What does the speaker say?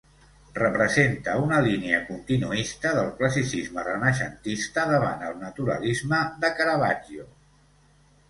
Representa una línia continuista del classicisme renaixentista davant el naturalisme de Caravaggio.